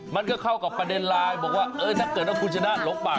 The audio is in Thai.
มันก็เคราะห์กับประเด็นไลน์บอกว่าถ้าเคราะห์ได้คุณ